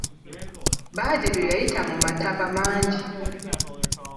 Badru yayita mu mataba mangi.